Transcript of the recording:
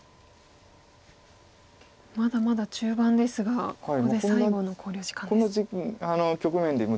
まだまだ中盤ですがここで最後の考慮時間です。